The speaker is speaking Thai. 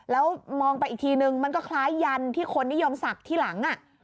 แล้วมองไปอีกทีนึงมันก็คล้ายยันที่คนนิยมศักดิ์ที่หลัง